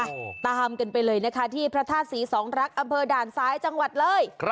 โอ้โหตามกันไปเลยนะคะที่พระธาตุศรีสองรักอำเภอด่านซ้ายจังหวัดเลย